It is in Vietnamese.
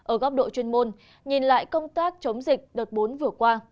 ở góc độ chuyên môn nhìn lại công tác chống dịch đợt bốn vừa qua